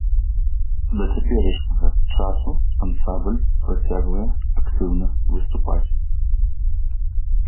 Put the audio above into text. Да цяперашняга часу ансамбль працягвае актыўна выступаць.